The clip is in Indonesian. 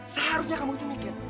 seharusnya kamu itu mikir